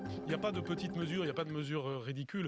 tidak ada ukuran kecil tidak ada ukuran yang berguna